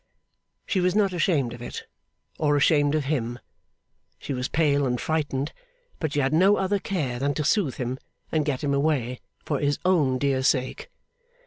She was not ashamed of it, or ashamed of him. She was pale and frightened; but she had no other care than to soothe him and get him away, for his own dear sake.